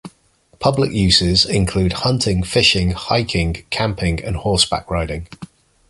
Public uses include hunting, fishing, hiking, camping, and horseback riding.